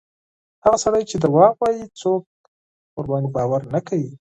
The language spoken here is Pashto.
هغه سړی چې درواغ وایي، څوک پرې باور نه کوي.